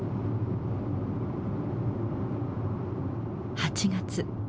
８月。